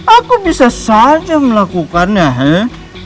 aku bisa saja melakukannya ya